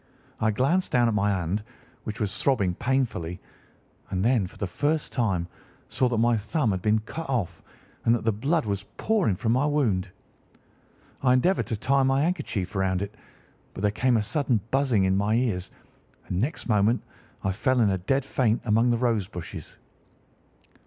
I glanced down at my hand, which was throbbing painfully, and then, for the first time, saw that my thumb had been cut off and that the blood was pouring from my wound. I endeavoured to tie my handkerchief round it, but there came a sudden buzzing in my ears, and next moment I fell in a dead faint among the rose bushes.